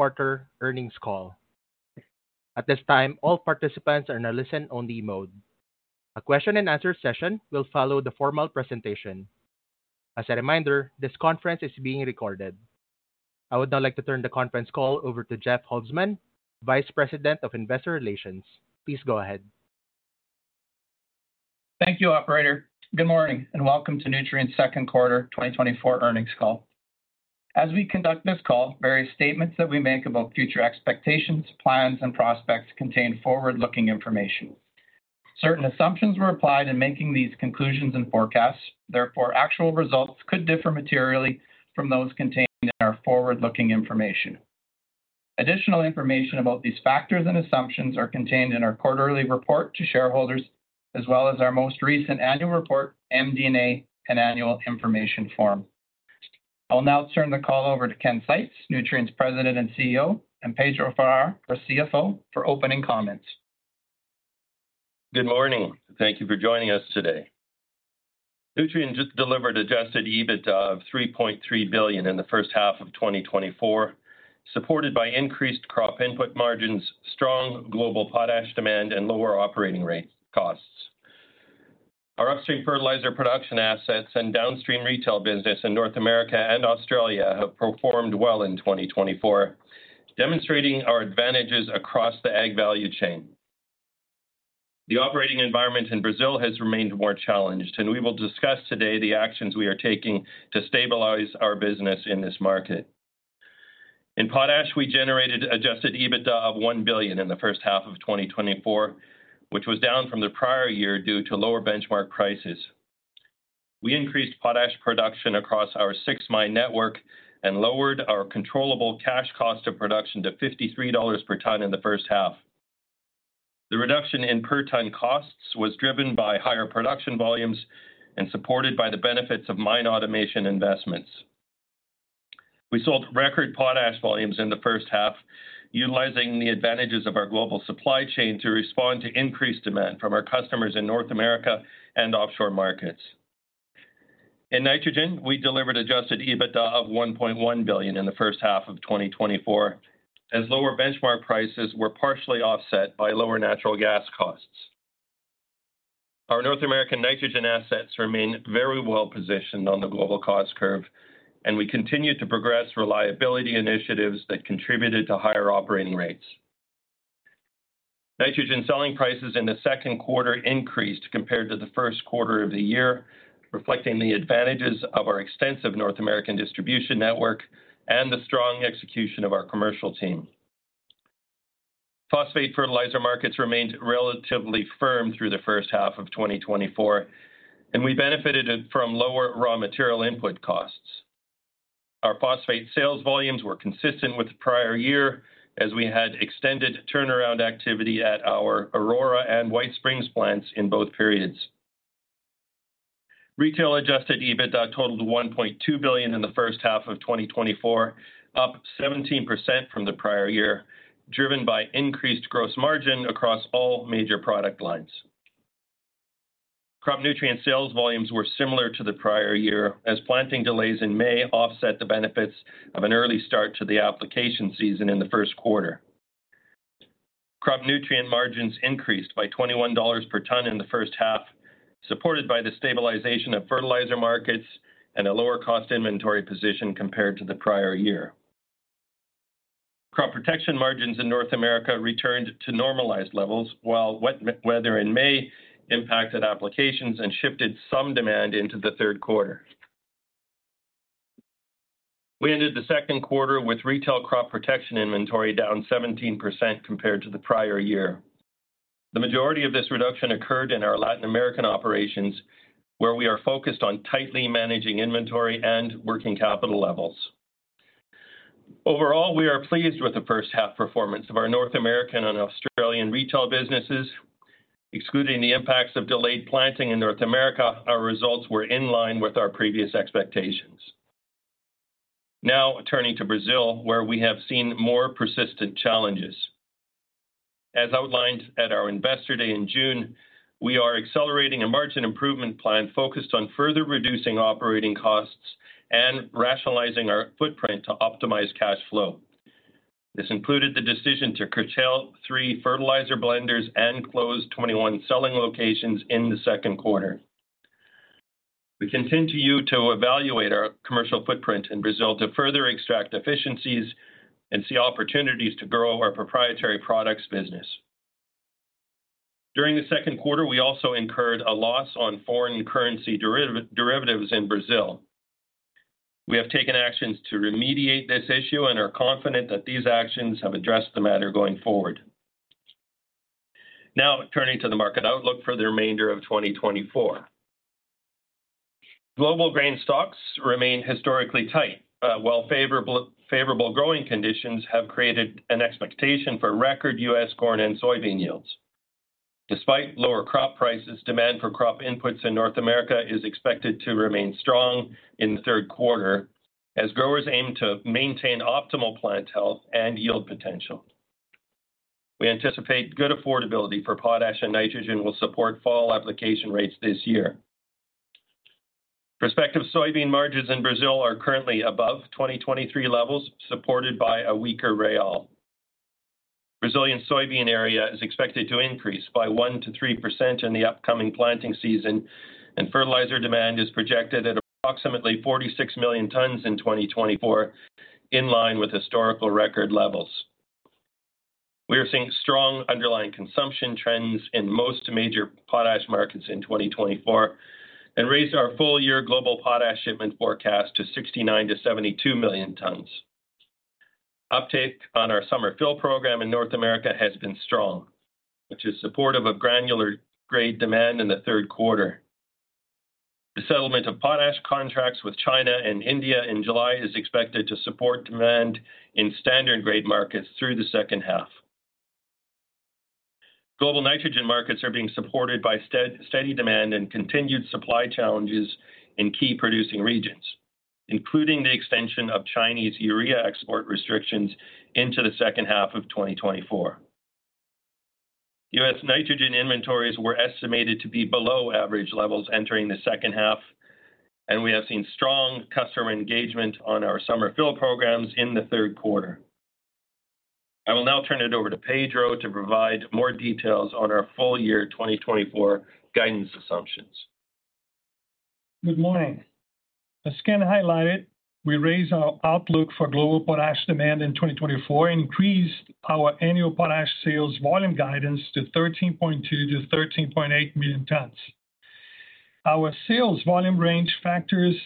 Quarter earnings call. At this time, all participants are in a listen-only mode. A question-and-answer session will follow the formal presentation. As a reminder, this conference is being recorded. I would now like to turn the conference call over to Jeff Holzman, Vice President of Investor Relations. Please go ahead. Thank you, operator. Good morning, and welcome to Nutrien's second quarter 2024 earnings call. As we conduct this call, various statements that we make about future expectations, plans, and prospects contain forward-looking information. Certain assumptions were applied in making these conclusions and forecasts. Therefore, actual results could differ materially from those contained in our forward-looking information. Additional information about these factors and assumptions are contained in our quarterly report to shareholders, as well as our most recent annual report, MD&A, and annual information form. I'll now turn the call over to Ken Seitz, Nutrien's President and CEO, and Pedro Farah, our CFO, for opening comments. Good morning. Thank you for joining us today. Nutrien just delivered Adjusted EBITDA of $3.3 billion in the first half of 2024, supported by increased crop input margins, strong global potash demand, and lower operating rate costs. Our upstream fertilizer production assets and downstream retail business in North America and Australia have performed well in 2024, demonstrating our advantages across the ag value chain. The operating environment in Brazil has remained more challenged, and we will discuss today the actions we are taking to stabilize our business in this market. In potash, we generated Adjusted EBITDA of $1 billion in the first half of 2024, which was down from the prior year due to lower benchmark prices. We increased potash production across our 6-mine network and lowered our controllable cash cost of production to $53 per ton in the first half. The reduction in per-ton costs was driven by higher production volumes and supported by the benefits of mine automation investments. We sold record potash volumes in the first half, utilizing the advantages of our global supply chain to respond to increased demand from our customers in North America and offshore markets. In nitrogen, we delivered Adjusted EBITDA of $1.1 billion in the first half of 2024, as lower benchmark prices were partially offset by lower natural gas costs. Our North American nitrogen assets remain very well-positioned on the global cost curve, and we continue to progress reliability initiatives that contributed to higher operating rates. Nitrogen selling prices in the second quarter increased compared to the first quarter of the year, reflecting the advantages of our extensive North American distribution network and the strong execution of our commercial team. Phosphate fertilizer markets remained relatively firm through the first half of 2024, and we benefited from lower raw material input costs. Our phosphate sales volumes were consistent with the prior year, as we had extended turnaround activity at our Aurora and White Springs plants in both periods. Retail Adjusted EBITDA totaled $1.2 billion in the first half of 2024, up 17% from the prior year, driven by increased gross margin across all major product lines. Crop nutrient sales volumes were similar to the prior year, as planting delays in May offset the benefits of an early start to the application season in the first quarter. Crop nutrient margins increased by $21 per ton in the first half, supported by the stabilization of fertilizer markets and a lower-cost inventory position compared to the prior year. Crop protection margins in North America returned to normalized levels, while wet weather in May impacted applications and shifted some demand into the third quarter. We ended the second quarter with retail crop protection inventory down 17% compared to the prior year. The majority of this reduction occurred in our Latin American operations, where we are focused on tightly managing inventory and working capital levels. Overall, we are pleased with the first half performance of our North American and Australian retail businesses. Excluding the impacts of delayed planting in North America, our results were in line with our previous expectations. Now, turning to Brazil, where we have seen more persistent challenges. As outlined at our Investor Day in June, we are accelerating a margin improvement plan focused on further reducing operating costs and rationalizing our footprint to optimize cash flow. This included the decision to curtail 3 fertilizer blenders and close 21 selling locations in the second quarter. We continue to evaluate our commercial footprint in Brazil to further extract efficiencies and see opportunities to grow our proprietary products business. During the second quarter, we also incurred a loss on foreign currency derivatives in Brazil. We have taken actions to remediate this issue and are confident that these actions have addressed the matter going forward. Now, turning to the market outlook for the remainder of 2024. Global grain stocks remain historically tight, while favorable growing conditions have created an expectation for record U.S. corn and soybean yields. Despite lower crop prices, demand for crop inputs in North America is expected to remain strong in the third quarter, as growers aim to maintain optimal plant health and yield potential. We anticipate good affordability for potash and nitrogen will support fall application rates this year. Prospective soybean margins in Brazil are currently above 2023 levels, supported by a weaker real. Brazilian soybean area is expected to increase by 1%-3% in the upcoming planting season, and fertilizer demand is projected at approximately 46 million tons in 2024, in line with historical record levels. We are seeing strong underlying consumption trends in most major potash markets in 2024, and raised our full year global potash shipment forecast to 69-72 million tons. Uptake on our Summer Fill Program in North America has been strong, which is supportive of granular grade demand in the third quarter. The settlement of potash contracts with China and India in July is expected to support demand in standard grade markets through the second half. Global nitrogen markets are being supported by steady demand and continued supply challenges in key producing regions, including the extension of Chinese urea export restrictions into the second half of 2024. U.S. nitrogen inventories were estimated to be below average levels entering the second half, and we have seen strong customer engagement on our summer fill programs in the third quarter. I will now turn it over to Pedro to provide more details on our full year 2024 guidance assumptions. Good morning. As Ken highlighted, we raised our outlook for global potash demand in 2024, increased our annual potash sales volume guidance to 13.2-13.8 million tons. Our sales volume range factors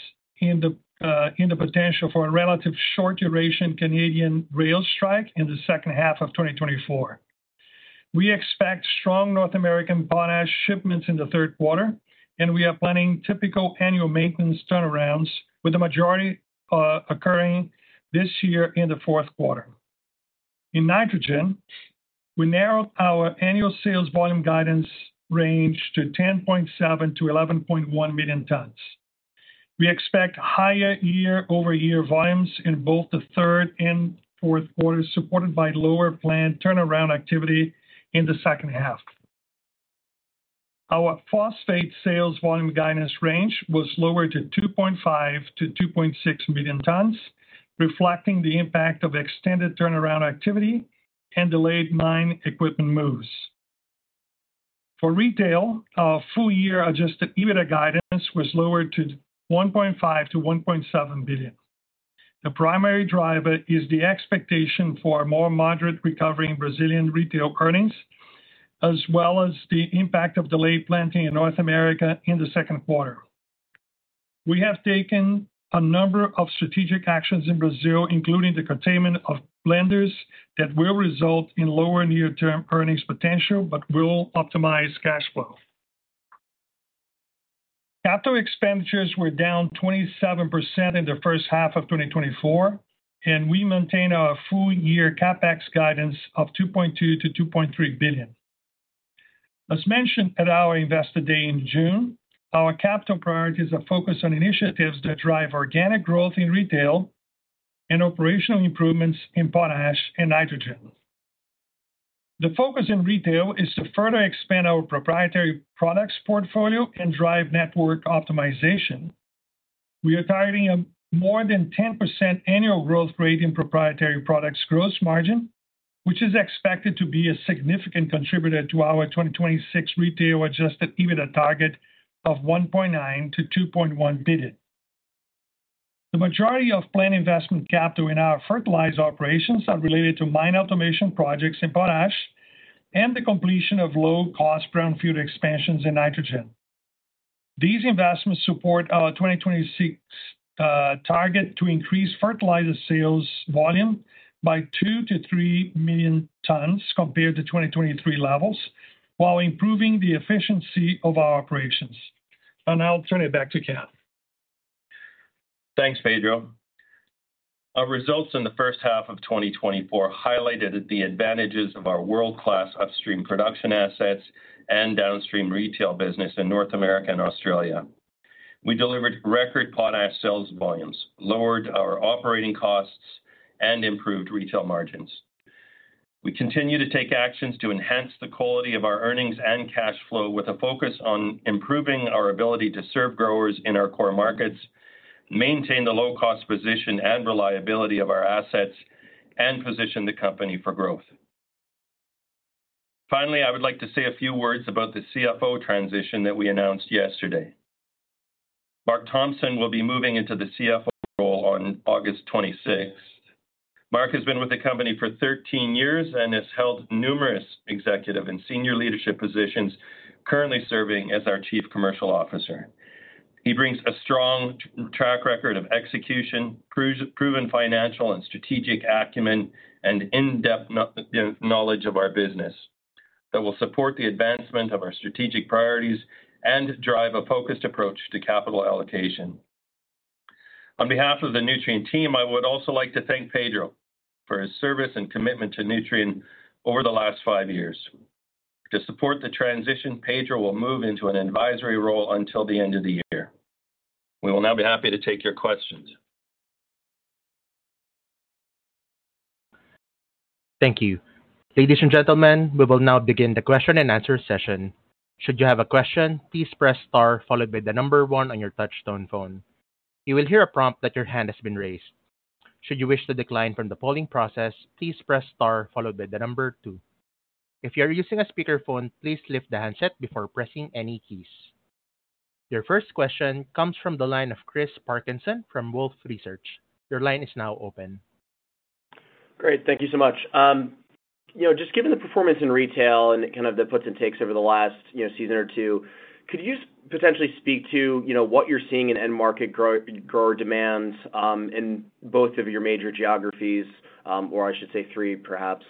in the potential for a relative short duration Canadian rail strike in the second half of 2024. We expect strong North American potash shipments in the third quarter, and we are planning typical annual maintenance turnarounds, with the majority occurring this year in the fourth quarter. In nitrogen, we narrowed our annual sales volume guidance range to 10.7-11.1 million tons. We expect higher year-over-year volumes in both the third and fourth quarter, supported by lower plant turnaround activity in the second half. Our phosphate sales volume guidance range was lowered to 2.5-2.6 million tons, reflecting the impact of extended turnaround activity and delayed mine equipment moves. For retail, our full-year adjusted EBITDA guidance was lowered to $1.5 billion-$1.7 billion. The primary driver is the expectation for more moderate recovery in Brazilian retail earnings, as well as the impact of delayed planting in North America in the second quarter. We have taken a number of strategic actions in Brazil, including the containment of blenders, that will result in lower near-term earnings potential, but will optimize cash flow. Capital expenditures were down 27% in the first half of 2024, and we maintain our full-year CapEx guidance of $2.2 billion-$2.3 billion. As mentioned at our Investor Day in June, our capital priorities are focused on initiatives that drive organic growth in retail and operational improvements in potash and nitrogen. The focus in retail is to further expand our proprietary products portfolio and drive network optimization. We are targeting a more than 10% annual growth rate in proprietary products gross margin, which is expected to be a significant contributor to our 2026 retail Adjusted EBITDA target of $1.9 billion-$2.1 billion. The majority of planned investment capital in our fertilizer operations are related to mine automation projects in potash and the completion of low-cost brownfield expansions in nitrogen. These investments support our 2026 target to increase fertilizer sales volume by 2-3 million tons compared to 2023 levels, while improving the efficiency of our operations. I'll now turn it back to Ken. Thanks, Pedro. Our results in the first half of 2024 highlighted the advantages of our world-class upstream production assets and downstream retail business in North America and Australia. We delivered record potash sales volumes, lowered our operating costs, and improved retail margins. We continue to take actions to enhance the quality of our earnings and cash flow, with a focus on improving our ability to serve growers in our core markets, maintain the low-cost position and reliability of our assets, and position the company for growth. Finally, I would like to say a few words about the CFO transition that we announced yesterday. Mark Thompson will be moving into the CFO role on August 26th. Mark has been with the company for 13 years and has held numerous executive and senior leadership positions, currently serving as our Chief Commercial Officer. He brings a strong track record of execution, proven financial and strategic acumen, and in-depth knowledge of our business that will support the advancement of our strategic priorities and drive a focused approach to capital allocation. On behalf of the Nutrien team, I would also like to thank Pedro for his service and commitment to Nutrien over the last five years. To support the transition, Pedro will move into an advisory role until the end of the year. We will now be happy to take your questions.... Thank you. Ladies and gentlemen, we will now begin the question and answer session. Should you have a question, please press star followed by the number one on your touchtone phone. You will hear a prompt that your hand has been raised. Should you wish to decline from the polling process, please press star followed by the number two. If you are using a speakerphone, please lift the handset before pressing any keys. Your first question comes from the line of Chris Parkinson from Wolfe Research. Your line is now open. Great, thank you so much. You know, just given the performance in retail and the kind of the puts and takes over the last, you know, season or two, could you potentially speak to, you know, what you're seeing in end market grower demands, in both of your major geographies, or I should say three perhaps?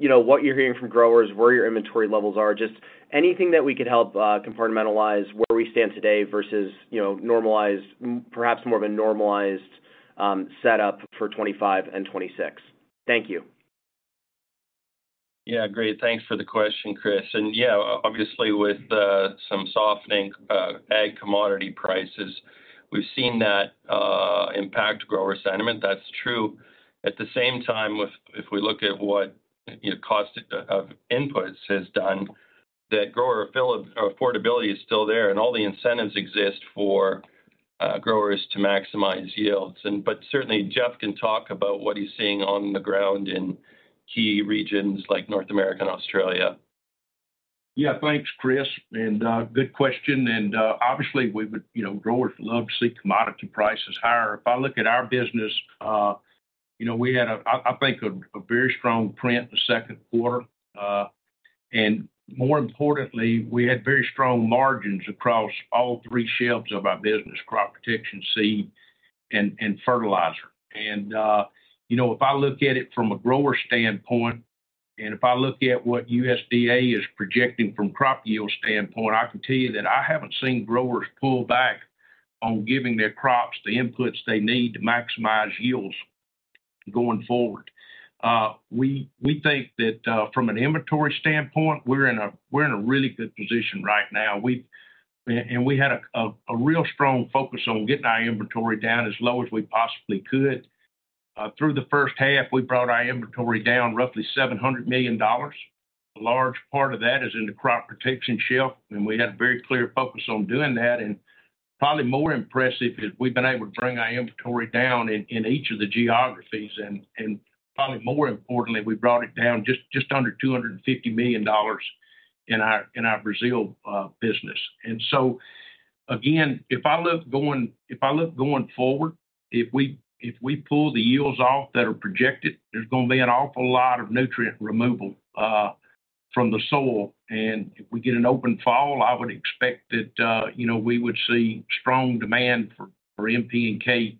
You know, what you're hearing from growers, where your inventory levels are, just anything that we could help compartmentalize where we stand today versus, you know, normalized, perhaps more of a normalized, setup for 2025 and 2026. Thank you. Yeah, great, thanks for the question, Chris. And yeah, obviously with some softening ag commodity prices, we've seen that impact grower sentiment. That's true. At the same time, with, if we look at what you know cost of inputs has done, that grower affordability is still there and all the incentives exist for growers to maximize yields. And but certainly, Jeff can talk about what he's seeing on the ground in key regions like North America and Australia. Yeah, thanks, Chris, and good question, and obviously we would, you know, growers love to see commodity prices higher. If I look at our business, you know, we had, I think, a very strong print in the second quarter. And more importantly, we had very strong margins across all three shelves of our business, crop protection, seed, and fertilizer. And, you know, if I look at it from a grower standpoint, and if I look at what USDA is projecting from crop yield standpoint, I can tell you that I haven't seen growers pull back on giving their crops the inputs they need to maximize yields going forward. We think that from an inventory standpoint, we're in a really good position right now. We and we had a real strong focus on getting our inventory down as low as we possibly could. Through the first half, we brought our inventory down roughly $700 million. A large part of that is in the crop protection shelf, and we had a very clear focus on doing that. And probably more impressive is we've been able to bring our inventory down in each of the geographies, and probably more importantly, we brought it down just under $250 million in our Brazil business. So again, if I look going forward, if we pull the yields off that are projected, there's gonna be an awful lot of nutrient removal from the soil, and if we get an open fall, I would expect that, you know, we would see strong demand for N, P, and K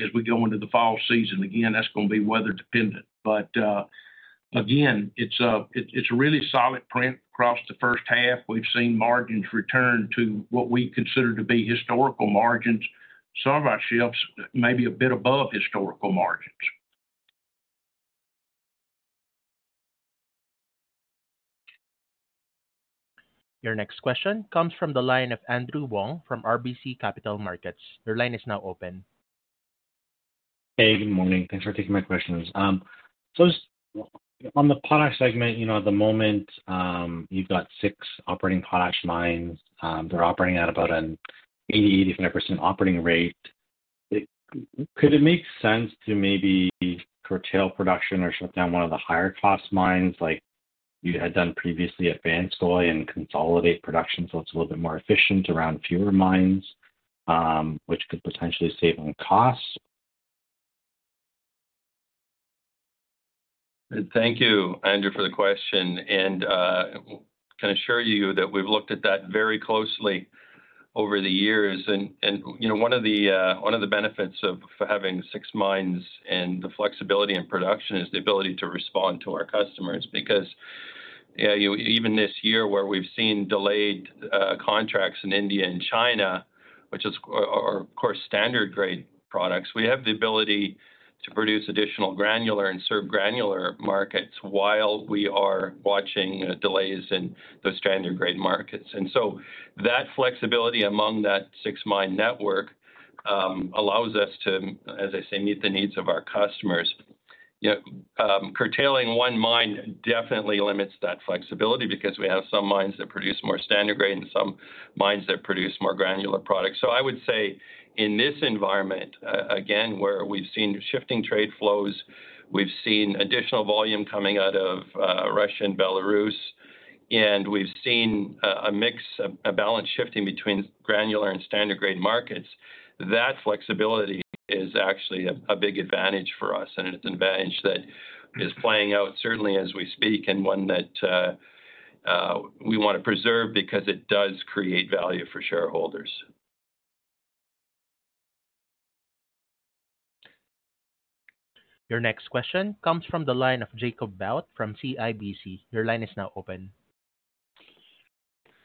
as we go into the fall season. Again, that's gonna be weather dependent. But again, it's a really solid print across the first half. We've seen margins return to what we consider to be historical margins. Some of our sales may be a bit above historical margins. Your next question comes from the line of Andrew Wong from RBC Capital Markets. Your line is now open. Hey, good morning. Thanks for taking my questions. So just on the potash segment, you know, at the moment, you've got six operating potash mines. They're operating at about an 80-85% operating rate. Could it make sense to maybe curtail production or shut down one of the higher cost mines, like you had done previously at Vanscoy and consolidate production so it's a little bit more efficient around fewer mines, which could potentially save on costs? Thank you, Andrew, for the question, and I can assure you that we've looked at that very closely over the years. You know, one of the benefits of having six mines and the flexibility in production is the ability to respond to our customers. Because, yeah, you even this year, where we've seen delayed contracts in India and China, which is, or, of course, standard grade products, we have the ability to produce additional granular and serve granular markets while we are watching delays in those standard grade markets. And so that flexibility among that six-mine network allows us to, as I say, meet the needs of our customers. You know, curtailing one mine definitely limits that flexibility because we have some mines that produce more standard grade and some mines that produce more granular products. So I would say in this environment, again, where we've seen shifting trade flows, we've seen additional volume coming out of Russia and Belarus, and we've seen a mix, a balance shifting between granular and standard grade markets, that flexibility is actually a big advantage for us, and it's an advantage that is playing out certainly as we speak, and one that we want to preserve because it does create value for shareholders. Your next question comes from the line of Jacob Bout from CIBC. Your line is now open.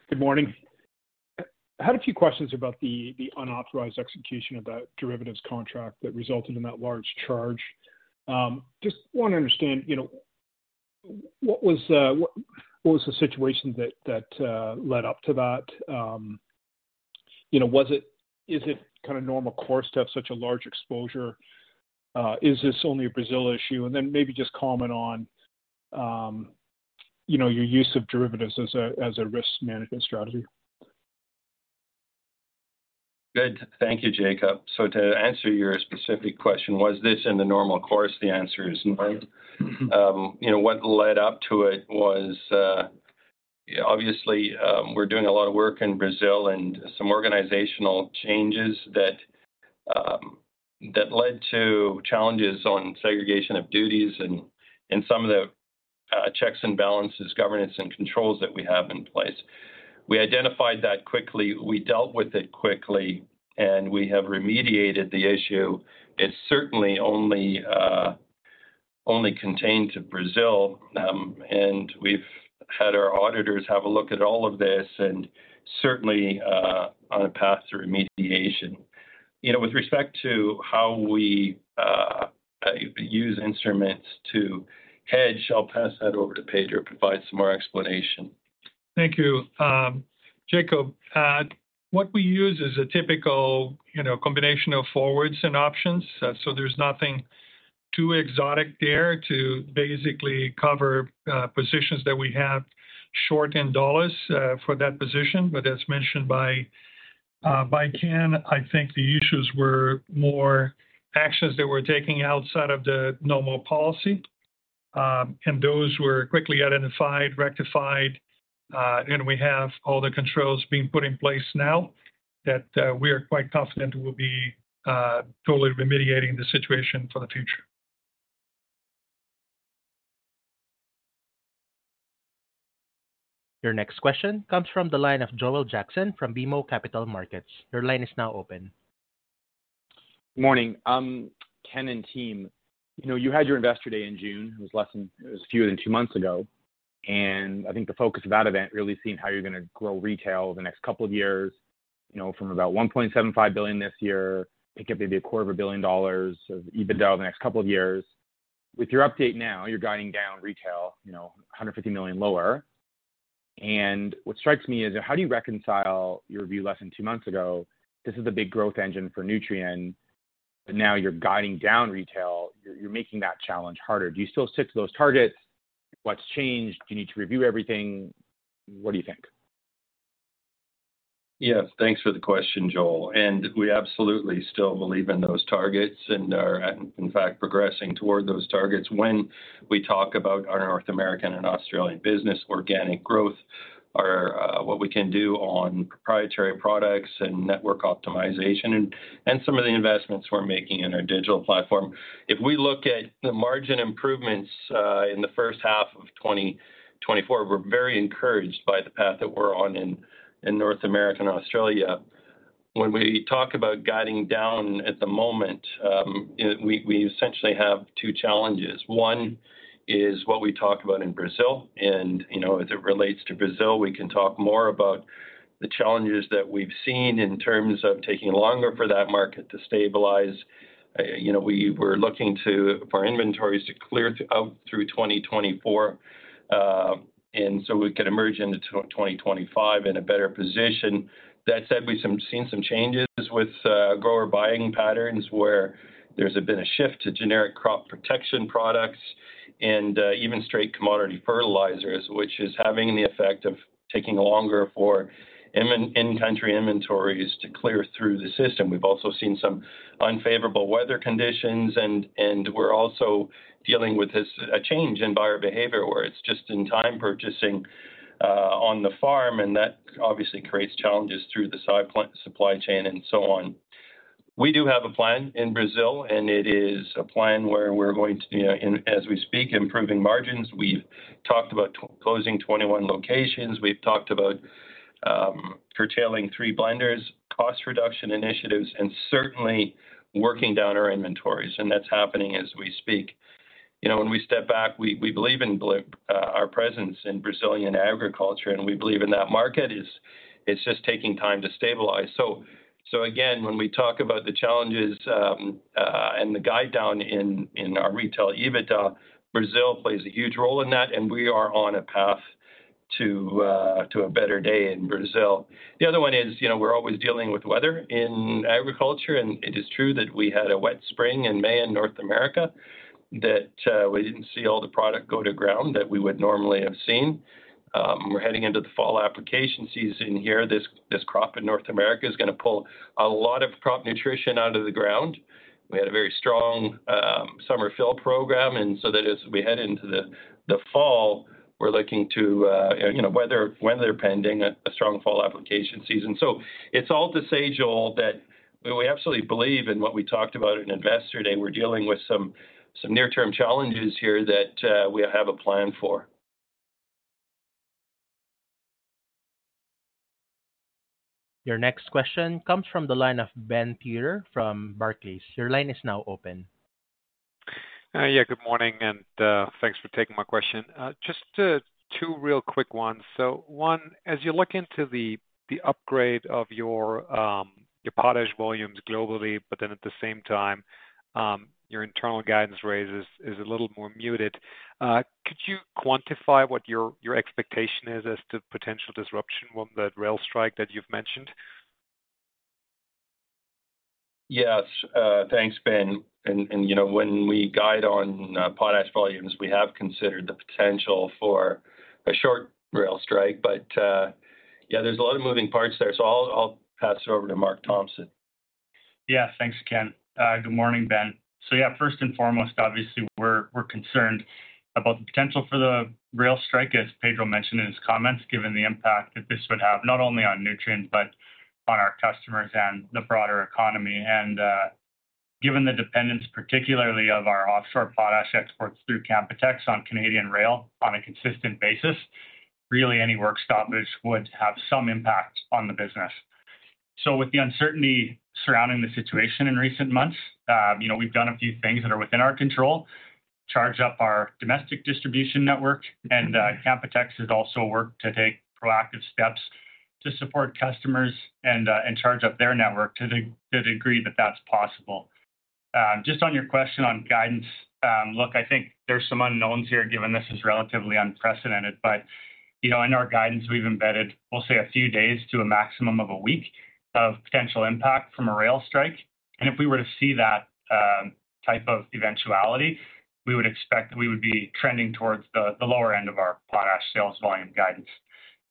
Good morning. I had a few questions about the unauthorized execution of that derivatives contract that resulted in that large charge. Just want to understand, you know, what was the situation that led up to that?... you know, is it kind of normal course to have such a large exposure? Is this only a Brazil issue? And then maybe just comment on, you know, your use of derivatives as a risk management strategy. Good. Thank you, Jacob. So to answer your specific question, was this in the normal course? The answer is no. You know, what led up to it was, obviously, we're doing a lot of work in Brazil and some organizational changes that, that led to challenges on segregation of duties and, and some of the, checks and balances, governance and controls that we have in place. We identified that quickly, we dealt with it quickly, and we have remediated the issue. It's certainly only, only contained to Brazil, and we've had our auditors have a look at all of this and certainly, on a path to remediation. You know, with respect to how we, use instruments to hedge, I'll pass that over to Pedro to provide some more explanation. Thank you. Jacob, what we use is a typical, you know, combination of forwards and options, so there's nothing too exotic there to basically cover positions that we have short in dollars, for that position. But as mentioned by Ken, I think the issues were more actions that we're taking outside of the normal policy, and those were quickly identified, rectified, and we have all the controls being put in place now that we are quite confident will be totally remediating the situation for the future. Your next question comes from the line of Joel Jackson from BMO Capital Markets. Your line is now open. Morning, Ken and team, you know, you had your Investor Day in June. It was fewer than two months ago, and I think the focus of that event, really seeing how you're gonna grow retail the next couple of years, you know, from about $1.75 billion this year, it could be $250 million of EBITDA the next couple of years. With your update now, you're guiding down retail, you know, $150 million lower. And what strikes me is: how do you reconcile your view less than two months ago, this is a big growth engine for Nutrien, but now you're guiding down retail, you're making that challenge harder. Do you still stick to those targets? What's changed? Do you need to review everything? What do you think? Yes, thanks for the question, Joel, and we absolutely still believe in those targets and are, in fact, progressing toward those targets. When we talk about our North American and Australian business, organic growth are what we can do on proprietary products and network optimization and some of the investments we're making in our digital platform. If we look at the margin improvements in the first half of 2024, we're very encouraged by the path that we're on in North America and Australia. When we talk about guiding down at the moment, you know, we essentially have two challenges. One is what we talk about in Brazil, and, you know, as it relates to Brazil, we can talk more about the challenges that we've seen in terms of taking longer for that market to stabilize. You know, we were looking to for inventories to clear out through 2024, and so we could emerge into 2025 in a better position. That said, we've seen some changes with grower buying patterns, where there's been a shift to generic crop protection products and even straight commodity fertilizers, which is having the effect of taking longer for in-country inventories to clear through the system. We've also seen some unfavorable weather conditions, and we're also dealing with a change in buyer behavior, where it's just-in-time purchasing on the farm, and that obviously creates challenges through the supply chain and so on. We do have a plan in Brazil, and it is a plan where we're going to, you know, and as we speak, improving margins. We've talked about closing 21 locations. We've talked about curtailing three blenders, cost reduction initiatives, and certainly working down our inventories, and that's happening as we speak. You know, when we step back, we believe in our presence in Brazilian agriculture, and we believe in that market. It's just taking time to stabilize. So again, when we talk about the challenges and the guide down in our retail EBITDA, Brazil plays a huge role in that, and we are on a path to a better day in Brazil. The other one is, you know, we're always dealing with weather in agriculture, and it is true that we had a wet spring in May in North America, that we didn't see all the product go to ground that we would normally have seen. We're heading into the fall application season here. This, this crop in North America is gonna pull a lot of crop nutrition out of the ground. We had a very strong summer fill program, and so that as we head into the fall, we're looking to, you know, weather pending, a strong fall application season. So it's all to say, Joel, that we absolutely believe in what we talked about in Investor Day. We're dealing with some near-term challenges here that we have a plan for. Your next question comes from the line of Ben Theurer from Barclays. Your line is now open. Yeah, good morning, and thanks for taking my question. Just two real quick ones. So one, as you look into the upgrade of your potash volumes globally, but then at the same time, your internal guidance raise is a little more muted.... Could you quantify what your, your expectation is as to potential disruption on the rail strike that you've mentioned? Yes. Thanks, Ben. And, and, you know, when we guide on potash volumes, we have considered the potential for a short rail strike. But, yeah, there's a lot of moving parts there, so I'll, I'll pass it over to Mark Thompson. Yeah, thanks, Ken. Good morning, Ben. So yeah, first and foremost, obviously, we're, we're concerned about the potential for the rail strike, as Pedro mentioned in his comments, given the impact that this would have, not only on nutrients but on our customers and the broader economy. And, given the dependence, particularly of our offshore potash exports through Canpotex on Canadian rail on a consistent basis, really any work stoppage would have some impact on the business. So with the uncertainty surrounding the situation in recent months, you know, we've done a few things that are within our control, charge up our domestic distribution network, and, Canpotex has also worked to take proactive steps to support customers and, and charge up their network to the, to the degree that that's possible. Just on your question on guidance, look, I think there's some unknowns here, given this is relatively unprecedented. But, you know, in our guidance, we've embedded, we'll say, a few days to a maximum of a week of potential impact from a rail strike. And if we were to see that, type of eventuality, we would expect that we would be trending towards the, the lower end of our potash sales volume guidance.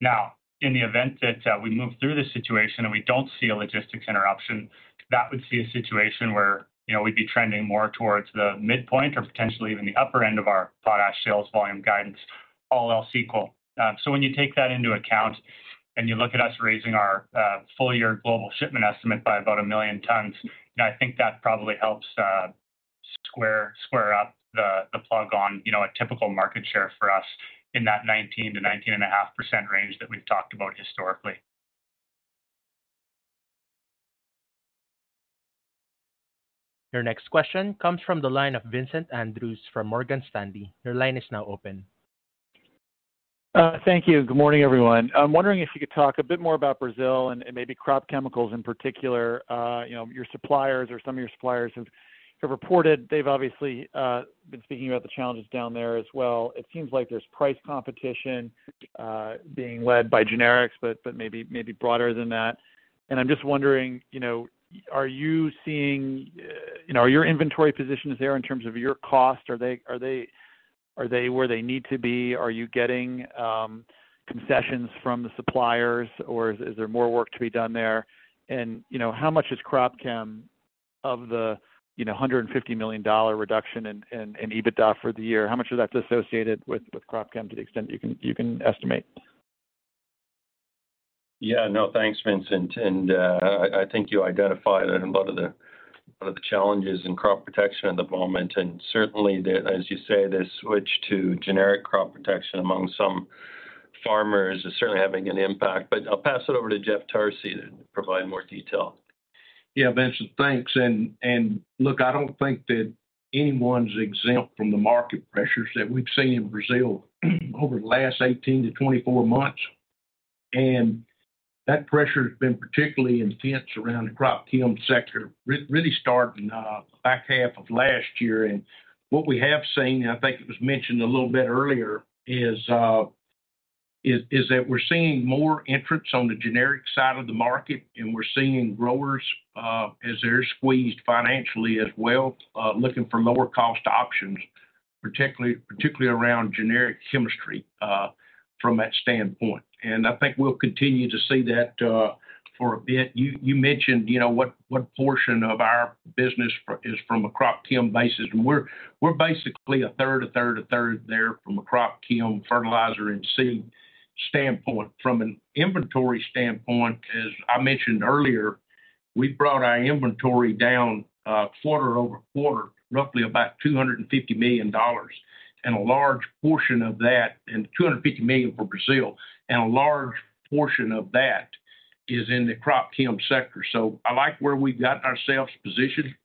Now, in the event that, we move through this situation and we don't see a logistics interruption, that would see a situation where, you know, we'd be trending more towards the midpoint or potentially even the upper end of our potash sales volume guidance, all else equal. So when you take that into account, and you look at us raising our full year global shipment estimate by about a million tons, I think that probably helps square up the plug on, you know, a typical market share for us in that 19%-19.5% range that we've talked about historically. Your next question comes from the line of Vincent Andrews from Morgan Stanley. Your line is now open. Thank you. Good morning, everyone. I'm wondering if you could talk a bit more about Brazil and maybe crop chemicals in particular. You know, your suppliers or some of your suppliers have reported they've obviously been speaking about the challenges down there as well. It seems like there's price competition being led by generics, but maybe broader than that. I'm just wondering, you know, are you seeing? You know, are your inventory positions there in terms of your cost? Are they where they need to be? Are you getting concessions from the suppliers, or is there more work to be done there? You know, how much is crop chem of the $150 million reduction in EBITDA for the year? How much of that's associated with crop chem, to the extent you can estimate? Yeah. No, thanks, Vincent. And I think you identified a lot of the challenges in crop protection at the moment. And certainly, as you say, the switch to generic crop protection among some farmers is certainly having an impact. But I'll pass it over to Jeff Tarsi to provide more detail. Yeah, Vincent, thanks. And look, I don't think that anyone's exempt from the market pressures that we've seen in Brazil over the last 18-24 months. And that pressure has been particularly intense around the crop chem sector, really starting back half of last year. And what we have seen, I think it was mentioned a little bit earlier, is that we're seeing more entrants on the generic side of the market, and we're seeing growers as they're squeezed financially as well looking for lower cost options, particularly around generic chemistry from that standpoint. And I think we'll continue to see that for a bit. You, you mentioned, you know, what portion of our business is from a crop chem basis, and we're, we're basically a third, a third, a third there from a crop chem, fertilizer, and seed standpoint. From an inventory standpoint, as I mentioned earlier, we brought our inventory down quarter-over-quarter, roughly about $250 million, and a large portion of that. And $250 million for Brazil, and a large portion of that is in the crop chem sector. So I like where we've got ourselves positioned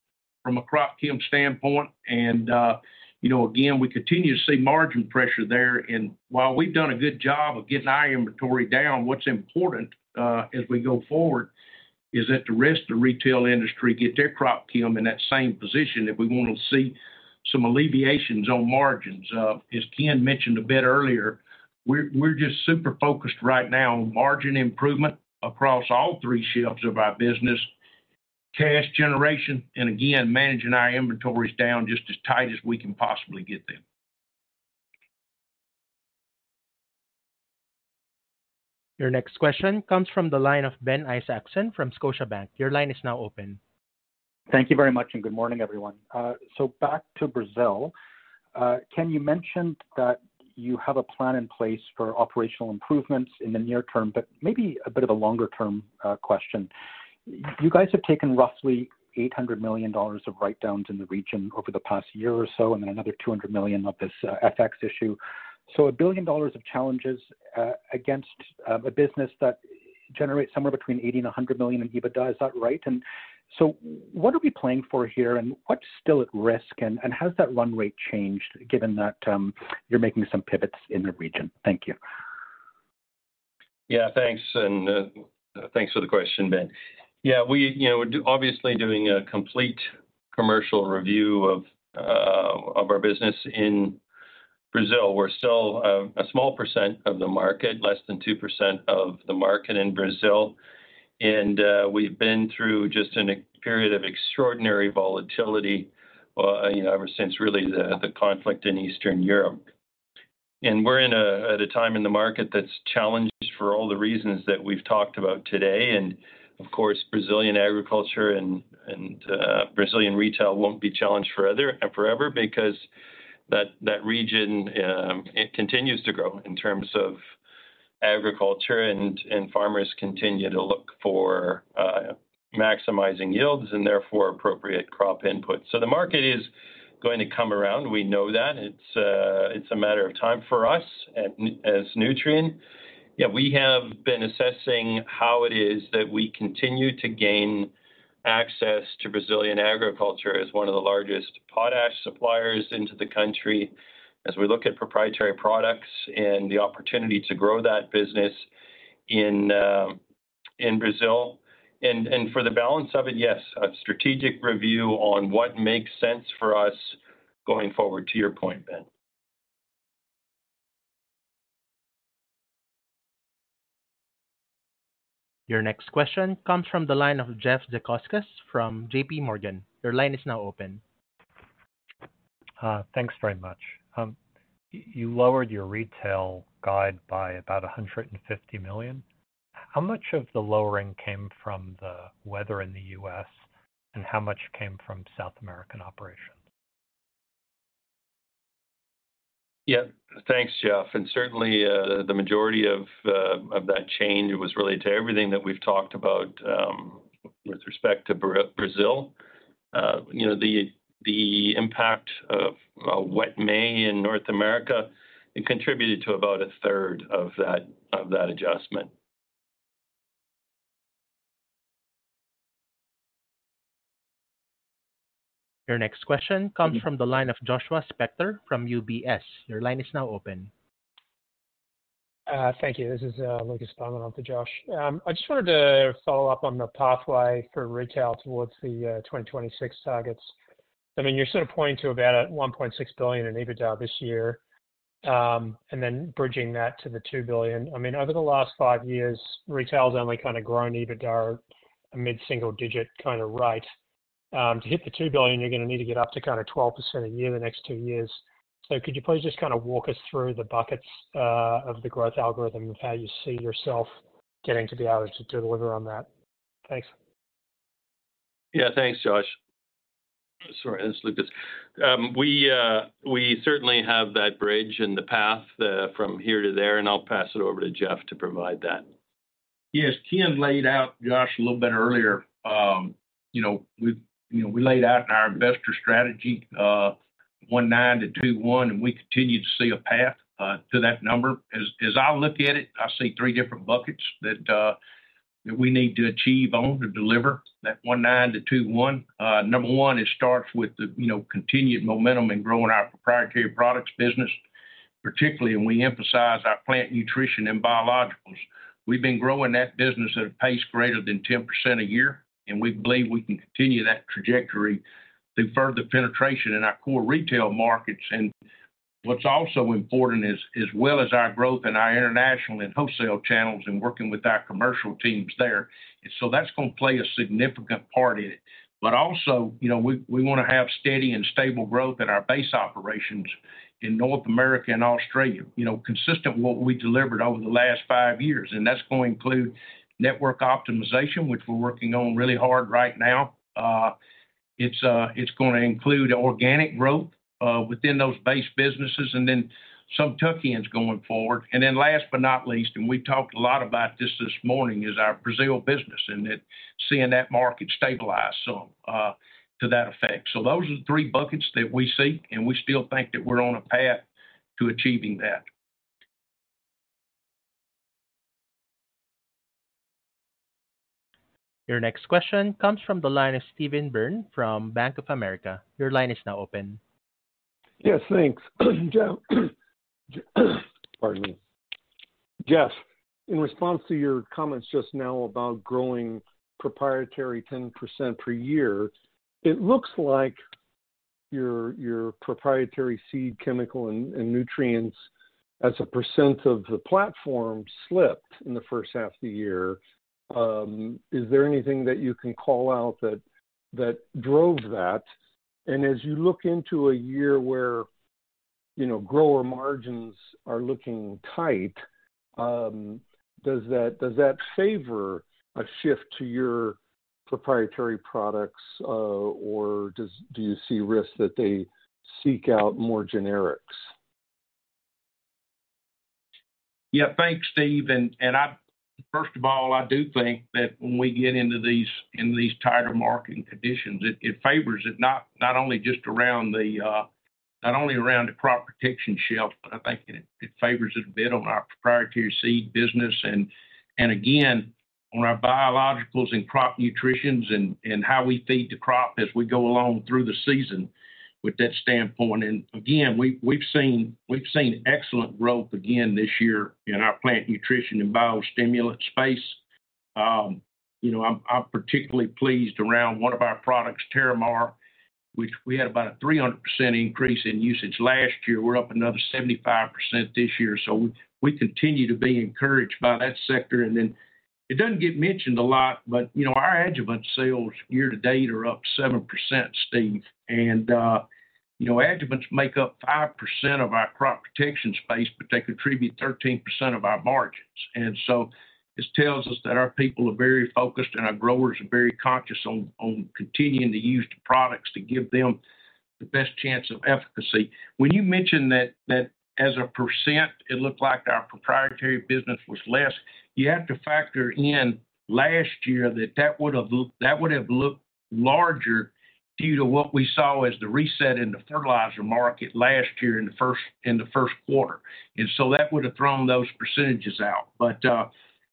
from a crop chem standpoint. And, you know, again, we continue to see margin pressure there. While we've done a good job of getting our inventory down, what's important, as we go forward, is that the rest of the retail industry get their crop chem in that same position if we want to see some alleviations on margins. As Ken mentioned a bit earlier, we're just super focused right now on margin improvement across all three shelves of our business, cash generation, and again, managing our inventories down just as tight as we can possibly get them. Your next question comes from the line of Ben Isaacson from Scotiabank. Your line is now open. Thank you very much, and good morning, everyone. So back to Brazil. Ken, you mentioned that you have a plan in place for operational improvements in the near term, but maybe a bit of a longer-term question. You guys have taken roughly $800 million of write-downs in the region over the past year or so, and then another $200 million of this FX issue. So $1 billion of challenges against a business that generates somewhere between $80 million-$100 million in EBITDA. Is that right? And so what are we playing for here, and what's still at risk, and has that run rate changed, given that you're making some pivots in the region? Thank you.... Yeah, thanks, and thanks for the question, Ben. Yeah, we, you know, we're obviously doing a complete commercial review of our business in Brazil. We're still a small percent of the market, less than 2% of the market in Brazil. And we've been through just an exceptional period of extraordinary volatility, you know, ever since really the conflict in Eastern Europe. And we're at a time in the market that's challenged for all the reasons that we've talked about today. And of course, Brazilian agriculture and Brazilian retail won't be challenged forever because that region it continues to grow in terms of agriculture, and farmers continue to look for maximizing yields and therefore appropriate crop input. So the market is going to come around. We know that. It's a matter of time for us as Nutrien. Yeah, we have been assessing how it is that we continue to gain access to Brazilian agriculture as one of the largest potash suppliers into the country. As we look at proprietary products and the opportunity to grow that business in Brazil. And for the balance of it, yes, a strategic review on what makes sense for us going forward, to your point, Ben. Your next question comes from the line of Jeff Zekauskas from J.P. Morgan. Your line is now open. Thanks very much. You lowered your retail guide by about $150 million. How much of the lowering came from the weather in the U.S., and how much came from South American operations? Yeah. Thanks, Jeff. And certainly, the majority of that change was really to everything that we've talked about with respect to Brazil. You know, the impact of a wet May in North America. It contributed to about a third of that adjustment. Your next question comes from the line of Joshua Spector from UBS. Your line is now open. Thank you. This is Lucas Stoneman for Josh. I just wanted to follow up on the pathway for retail towards the 2026 targets. I mean, you're sort of pointing to about $1.6 billion in EBITDA this year, and then bridging that to the $2 billion. I mean, over the last five years, retail's only kind of grown EBITDA a mid-single digit kind of rate. To hit the $2 billion, you're gonna need to get up to kind of 12% a year the next two years. So could you please just kind of walk us through the buckets of the growth algorithm of how you see yourself getting to be able to deliver on that? Thanks. Yeah, thanks, Josh. Sorry, it's Lucas. We, we certainly have that bridge and the path from here to there, and I'll pass it over to Jeff to provide that. Yes, Ken laid out, Josh, a little bit earlier. You know, we laid out in our investor strategy 2019 to 2021, and we continue to see a path to that number. As I look at it, I see three different buckets that we need to achieve on to deliver that 2019 to 2021. Number one, it starts with the continued momentum in growing our proprietary products business, particularly, and we emphasize our plant nutrition and biologicals. We've been growing that business at a pace greater than 10% a year, and we believe we can continue that trajectory through further penetration in our core retail markets. And what's also important is, as well as our growth in our international and wholesale channels and working with our commercial teams there. So that's gonna play a significant part in it. But also, you know, we, we wanna have steady and stable growth in our base operations in North America and Australia, you know, consistent with what we delivered over the last five years. And that's going to include network optimization, which we're working on really hard right now. It's gonna include organic growth within those base businesses and then some tuck-ins going forward. And then last but not least, and we talked a lot about this this morning, is our Brazil business and that seeing that market stabilize some to that effect. So those are the three buckets that we see, and we still think that we're on a path to achieving that. Your next question comes from the line of Steve Byrne from Bank of America. Your line is now open. Yes, thanks. Pardon me. Jeff, in response to your comments just now about growing proprietary 10% per year, it looks like your proprietary seed, chemical, and nutrients as a % of the platform slipped in the first half of the year. Is there anything that you can call out that drove that? And as you look into a year where, you know, grower margins are looking tight, does that favor a shift to your proprietary products, or do you see risks that they seek out more generics? Yeah, thanks, Steve. And I first of all do think that when we get into these tighter marketing conditions, it favors it, not only just around the crop protection shelf, but I think it favors it a bit on our proprietary seed business. And again on our biologicals and crop nutritions and how we feed the crop as we go along through the season with that standpoint. And again, we've seen excellent growth again this year in our plant nutrition and biostimulant space. You know, I'm particularly pleased around one of our products, Terramar, which we had about a 300% increase in usage last year. We're up another 75% this year, so we continue to be encouraged by that sector. And then it doesn't get mentioned a lot, but, you know, our adjuvant sales year-to-date are up 7%, Steve. And, you know, adjuvants make up 5% of our crop protection space, but they contribute 13% of our margins. And so this tells us that our people are very focused, and our growers are very conscious on continuing to use the products to give them the best chance of efficacy. When you mention that as a percent, it looked like our proprietary business was less. You have to factor in last year that that would have looked larger due to what we saw as the reset in the fertilizer market last year in the first quarter. And so that would have thrown those percentages out. But,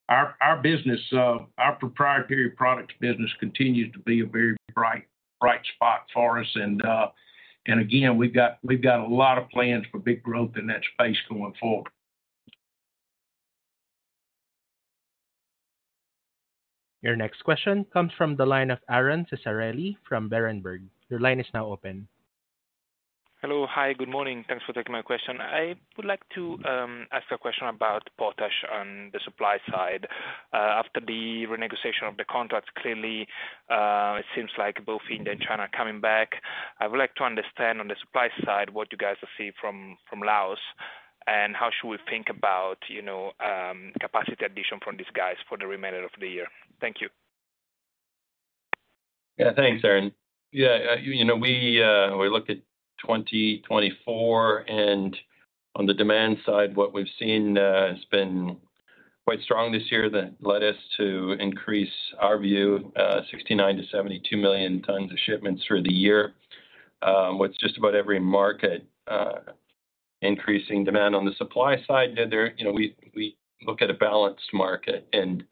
our, our business, our proprietary products business continues to be a very bright, bright spot for us. And, and again, we've got, we've got a lot of plans for big growth in that space going forward. Your next question comes from the line of Aron Ceccarelli from Berenberg. Your line is now open. Hello. Hi, good morning. Thanks for taking my question. I would like to ask a question about potash on the supply side. After the renegotiation of the contracts, clearly, it seems like both India and China are coming back. I would like to understand on the supply side, what you guys see from Laos, and how should we think about, you know, capacity addition from these guys for the remainder of the year? Thank you. Yeah, thanks, Aron. Yeah, you know, we looked at 2024, and on the demand side, what we've seen has been quite strong this year. That led us to increase our view, 69-72 million tons of shipments through the year, with just about every market increasing demand. On the supply side, you know, we look at a balanced market, and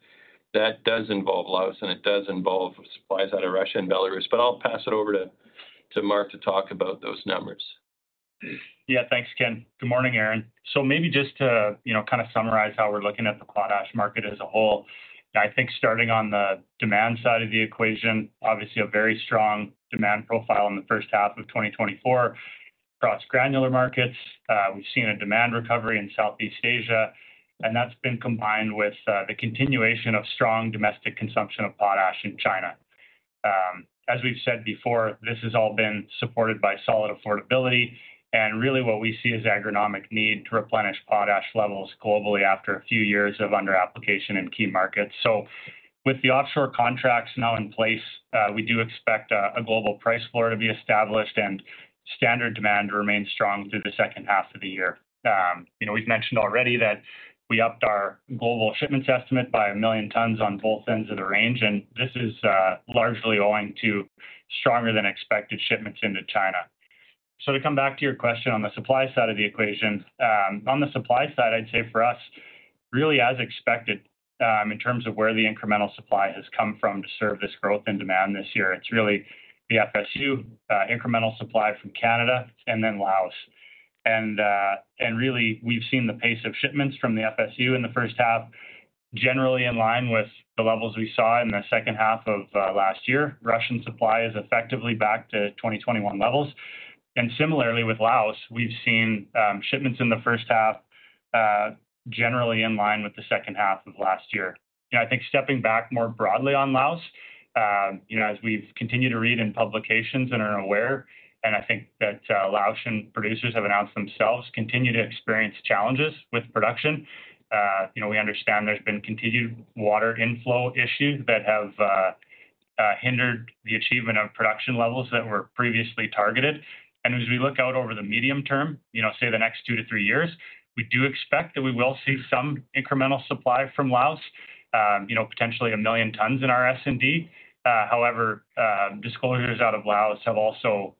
that does involve Laos, and it does involve supplies out of Russia and Belarus. But I'll pass it over to Mark to talk about those numbers. Yeah, thanks, Ken. Good morning, Aron. So maybe just to, you know, kind of summarize how we're looking at the potash market as a whole. I think starting on the demand side of the equation, obviously a very strong demand profile in the first half of 2024 across granular markets. We've seen a demand recovery in Southeast Asia, and that's been combined with the continuation of strong domestic consumption of potash in China. As we've said before, this has all been supported by solid affordability and really what we see as agronomic need to replenish potash levels globally after a few years of under application in key markets. So with the offshore contracts now in place, we do expect a global price floor to be established and standard demand to remain strong through the second half of the year. You know, we've mentioned already that we upped our global shipments estimate by 1 million tons on both ends of the range, and this is largely owing to stronger than expected shipments into China. So to come back to your question on the supply side of the equation. On the supply side, I'd say for us, really as expected, in terms of where the incremental supply has come from to serve this growth in demand this year, it's really the FSU, incremental supply from Canada and then Laos. And, and really, we've seen the pace of shipments from the FSU in the first half, generally in line with the levels we saw in the second half of last year. Russian supply is effectively back to 2021 levels. And similarly, with Laos, we've seen shipments in the first half generally in line with the second half of last year. And I think stepping back more broadly on Laos, you know, as we've continued to read in publications and are aware, and I think that Laotian producers have announced themselves, continue to experience challenges with production. You know, we understand there's been continued water inflow issues that have hindered the achievement of production levels that were previously targeted. And as we look out over the medium term, you know, say the next two to three years, we do expect that we will see some incremental supply from Laos, you know, potentially 1 million tons in our S&D. However, disclosures out of Laos have also,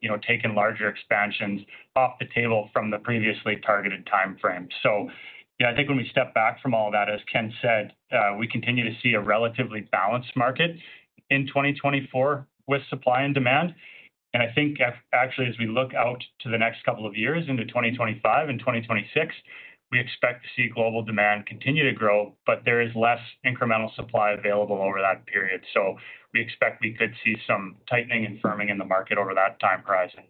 you know, taken larger expansions off the table from the previously targeted timeframe. So yeah, I think when we step back from all that, as Ken said, we continue to see a relatively balanced market in 2024 with supply and demand. And I think actually, as we look out to the next couple of years into 2025 and 2026, we expect to see global demand continue to grow, but there is less incremental supply available over that period. So we expect we could see some tightening and firming in the market over that time horizon.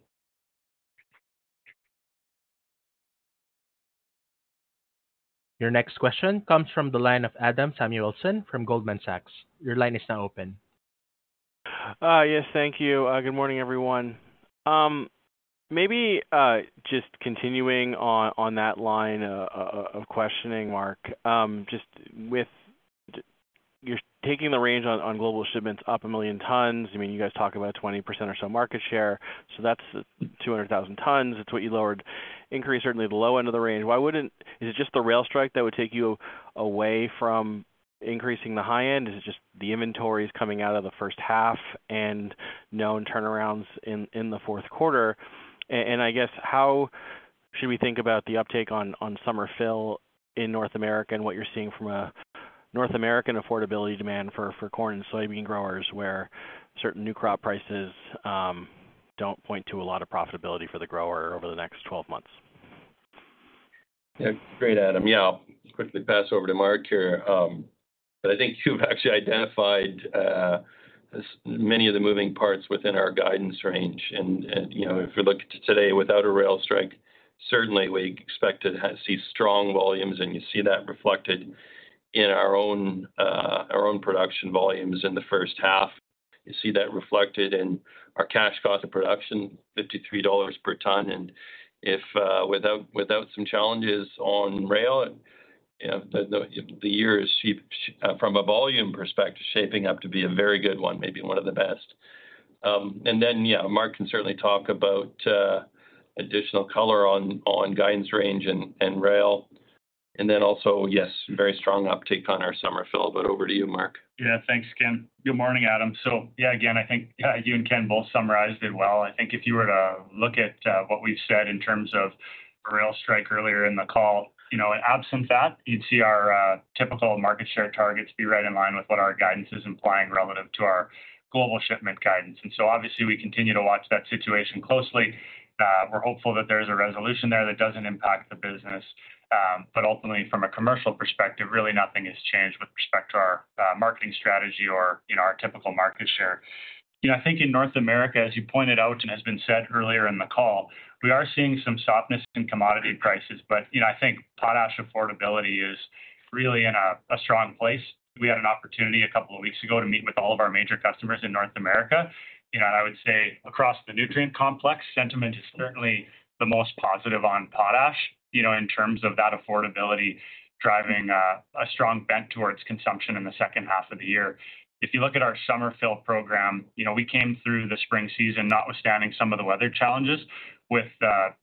Your next question comes from the line of Adam Samuelson from Goldman Sachs. Your line is now open. Yes, thank you. Good morning, everyone. Maybe just continuing on that line of questioning, Mark. Just with—you're taking the range on global shipments up 1 million tons. I mean, you guys talk about 20% or so market share, so that's 200,000 tons. It's what you lowered, increase certainly the low end of the range. Why wouldn't... Is it just the rail strike that would take you away from increasing the high end? Is it just the inventories coming out of the first half and known turnarounds in the fourth quarter? And I guess, how-... Should we think about the uptake on summer fill in North America and what you're seeing from a North American affordability demand for corn and soybean growers, where certain new crop prices don't point to a lot of profitability for the grower over the next 12 months? Yeah, great, Adam. Yeah, I'll quickly pass over to Mark here. But I think you've actually identified as many of the moving parts within our guidance range. And, you know, if you look today without a rail strike, certainly we expect to see strong volumes, and you see that reflected in our own production volumes in the first half. You see that reflected in our cash cost of production, $53 per ton. And if without some challenges on rail, you know, the year is shaping up from a volume perspective to be a very good one, maybe one of the best. And then, yeah, Mark can certainly talk about additional color on guidance range and rail. And then also, yes, very strong uptake on our summer fill. But over to you, Mark. Yeah, thanks, Ken. Good morning, Adam. So, yeah, again, I think you and Ken both summarized it well. I think if you were to look at what we've said in terms of a rail strike earlier in the call, you know, in absent that, you'd see our typical market share targets be right in line with what our guidance is implying relative to our global shipment guidance. And so obviously we continue to watch that situation closely. We're hopeful that there's a resolution there that doesn't impact the business. But ultimately from a commercial perspective, really nothing has changed with respect to our marketing strategy or, you know, our typical market share. You know, I think in North America, as you pointed out and has been said earlier in the call, we are seeing some softness in commodity prices. You know, I think potash affordability is really in a strong place. We had an opportunity a couple of weeks ago to meet with all of our major customers in North America. You know, I would say across the nutrient complex, sentiment is certainly the most positive on potash, you know, in terms of that affordability driving a strong bent towards consumption in the second half of the year. If you look at our summer fill program, you know, we came through the spring season, notwithstanding some of the weather challenges, with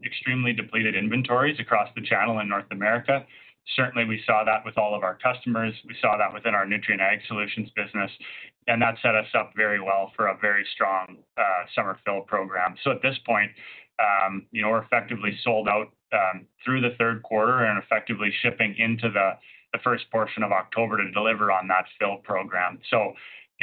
extremely depleted inventories across the channel in North America. Certainly, we saw that with all of our customers. We saw that within our Nutrien Ag Solutions business, and that set us up very well for a very strong summer fill program. So at this point, you know, we're effectively sold out through the third quarter and effectively shipping into the first portion of October to deliver on that fill program. So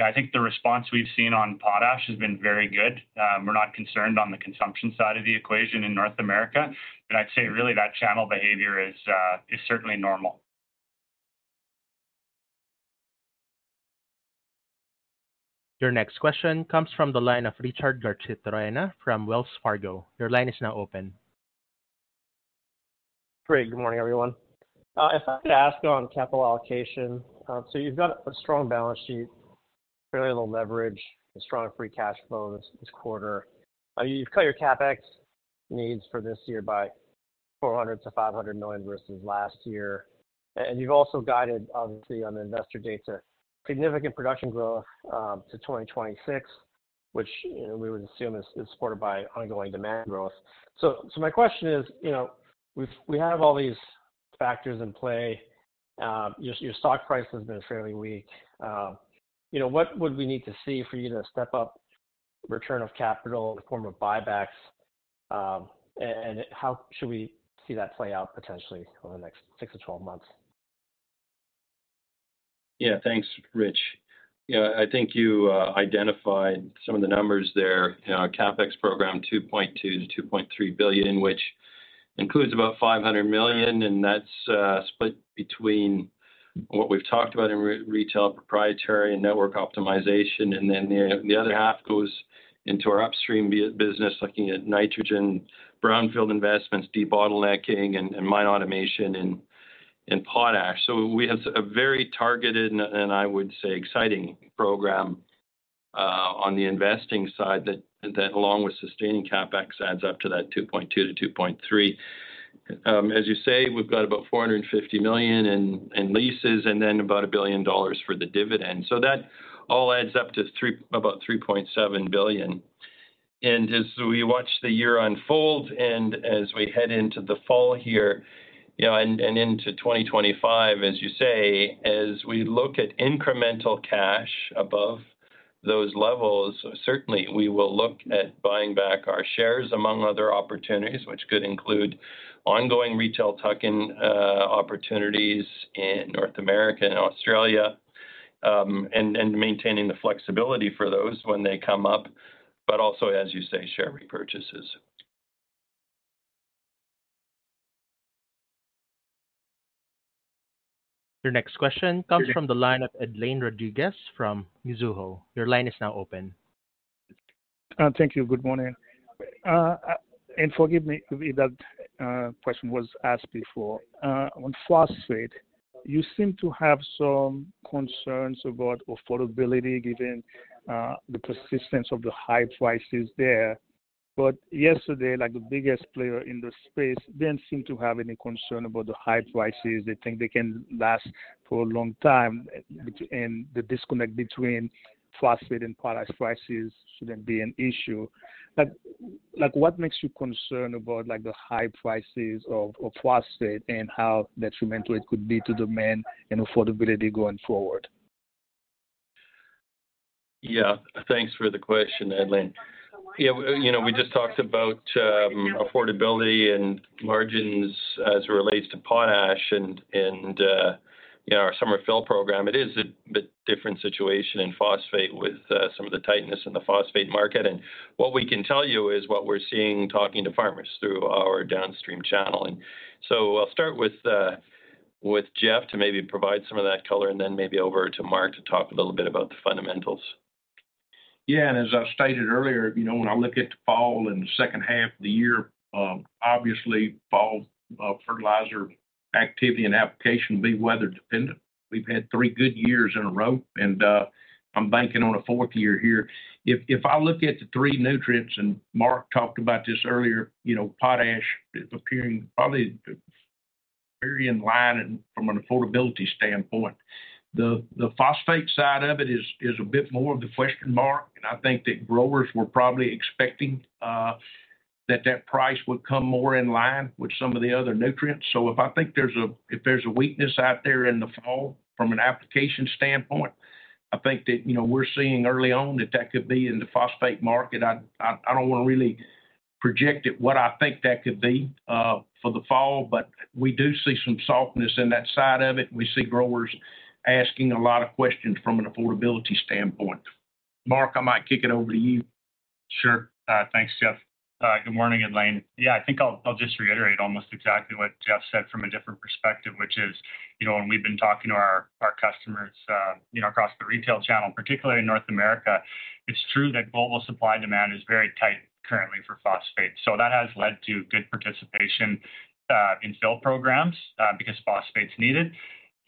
yeah, I think the response we've seen on potash has been very good. We're not concerned on the consumption side of the equation in North America, but I'd say really that channel behavior is certainly normal. Your next question comes from the line of Richard Garchitorena from Wells Fargo. Your line is now open. Great. Good morning, everyone. If I could ask on capital allocation. So you've got a strong balance sheet, fairly low leverage, a strong free cash flow this quarter. You've cut your CapEx needs for this year by $400 million-$500 million versus last year, and you've also guided, obviously, on the Investor Day, to significant production growth, to 2026, which, you know, we would assume is supported by ongoing demand growth. So my question is, you know, we have all these factors in play. Your stock price has been fairly weak. You know, what would we need to see for you to step up return of capital in the form of buybacks? And how should we see that play out potentially over the next 6-12 months? Yeah. Thanks, Rich. Yeah, I think you identified some of the numbers there. In our CapEx program, $2.2 billion-$2.3 billion, which includes about $500 million, and that's split between what we've talked about in retail, proprietary, and network optimization. And then the other half goes into our upstream business, looking at nitrogen, brownfield investments, debottlenecking, and mine automation, and potash. So we have a very targeted, and I would say, exciting program on the investing side, that along with sustaining CapEx, adds up to that $2.2 billion-$2.3 billion. As you say, we've got about $450 million in leases and then about $1 billion for the dividend. So that all adds up to about $3.7 billion. As we watch the year unfold and as we head into the fall here, you know, and into 2025, as you say, as we look at incremental cash above those levels, certainly we will look at buying back our shares, among other opportunities, which could include ongoing retail tuck-in opportunities in North America and Australia, and maintaining the flexibility for those when they come up, but also, as you say, share repurchases. Your next question comes from the line of Edlain Rodriguez from Mizuho. Your line is now open. Thank you. Good morning. And forgive me if that question was asked before. On phosphate, you seem to have some concerns about affordability, given the persistence of the high prices there. But yesterday, like, the biggest player in the space didn't seem to have any concern about the high prices. They think they can last for a long time, and the disconnect between phosphate and potash prices shouldn't be an issue. But, like, what makes you concerned about, like, the high prices of phosphate and how detrimental it could be to demand and affordability going forward?... Yeah, thanks for the question, Edlain. Yeah, you know, we just talked about affordability and margins as it relates to potash and, you know, our summer fill program. It is a bit different situation in phosphate with some of the tightness in the phosphate market. And what we can tell you is what we're seeing talking to farmers through our downstream channel. And so I'll start with Jeff to maybe provide some of that color, and then maybe over to Mark to talk a little bit about the fundamentals. Yeah, and as I stated earlier, you know, when I look at the fall and the second half of the year, obviously, fall fertilizer activity and application will be weather dependent. We've had three good years in a row, and, I'm banking on a fourth year here. If I look at the three nutrients, and Mark talked about this earlier, you know, potash is appearing probably very in line from an affordability standpoint. The phosphate side of it is a bit more of a question mark, and I think that growers were probably expecting that price would come more in line with some of the other nutrients. So if I think there's if there's a weakness out there in the fall from an application standpoint, I think that, you know, we're seeing early on that that could be in the phosphate market. I don't wanna really project it what I think that could be for the fall, but we do see some softness in that side of it, and we see growers asking a lot of questions from an affordability standpoint. Mark, I might kick it over to you. Sure. Thanks, Jeff. Good morning, Edlain. Yeah, I think I'll just reiterate almost exactly what Jeff said from a different perspective, which is, you know, when we've been talking to our customers, you know, across the retail channel, particularly in North America, it's true that global supply-demand is very tight currently for phosphate. So that has led to good participation in fill programs because phosphate's needed. You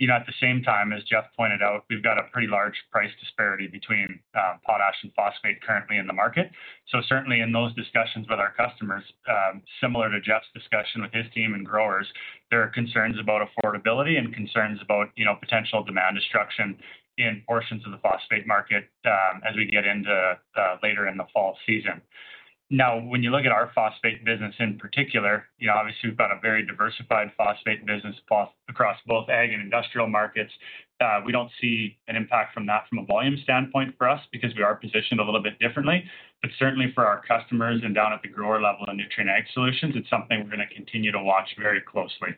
know, at the same time, as Jeff pointed out, we've got a pretty large price disparity between potash and phosphate currently in the market. So certainly in those discussions with our customers, similar to Jeff's discussion with his team and growers, there are concerns about affordability and concerns about, you know, potential demand destruction in portions of the phosphate market, as we get into later in the fall season. Now, when you look at our phosphate business in particular, you know, obviously we've got a very diversified phosphate business across both ag and industrial markets. We don't see an impact from that a volume standpoint for us because we are positioned a little bit differently. But certainly for our customers and down at the grower level in Nutrien Ag Solutions, it's something we're gonna continue to watch very closely.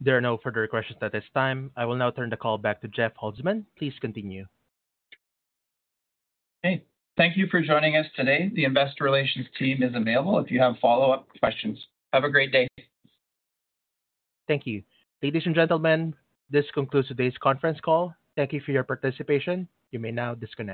There are no further questions at this time. I will now turn the call back to Jeff Holzman. Please continue. Hey, thank you for joining us today. The investor relations team is available if you have follow-up questions. Have a great day. Thank you. Ladies and gentlemen, this concludes today's conference call. Thank you for your participation. You may now disconnect.